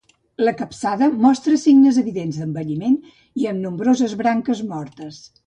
La capçada mostra signes evidents d'envelliment i amb nombroses branques mortes.